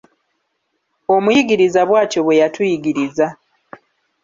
Omuyigiriza bw'atyo bwe yatuyigiriza.